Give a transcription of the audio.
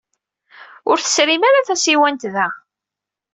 Ur tserrim ara tasiwant da.